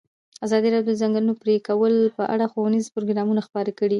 ازادي راډیو د د ځنګلونو پرېکول په اړه ښوونیز پروګرامونه خپاره کړي.